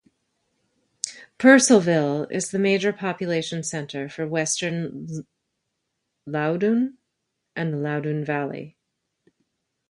Purcellville is the major population center for western Loudoun and the Loudoun Valley.